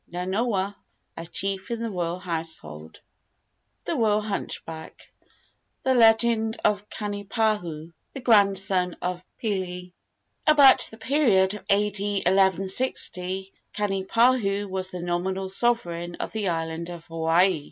Nanoa, a chief in the royal household. THE ROYAL HUNCHBACK. THE LEGEND OF KANIPAHU, THE GRANDSON OF PILI. I. About the period of A.D. 1160 Kanipahu was the nominal sovereign of the island of Hawaii.